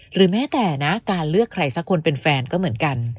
หรือแม้แต่นะการเลือกใครสักคนเป็นแฟนก็เหมือนกัน